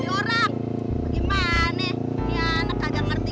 ini anak kagak ngerti ngerti